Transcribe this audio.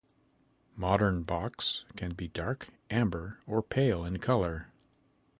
Modern bocks can be dark, amber or pale in colour.